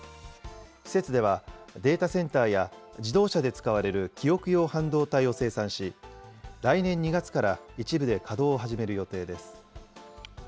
施設では、データセンターや自動車で使われる記憶用半導体を生産し、来年２月から一部で稼働を始める予定です。